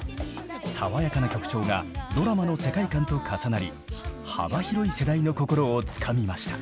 爽やか曲調がドラマの世界観と重なり幅広い世代の心をつかみました。